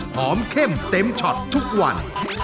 เข้มเต็มช็อตทุกวัน